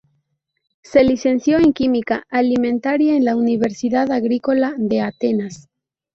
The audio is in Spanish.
Se licenció en química alimentaria en la Universidad Agrícola de Atenas.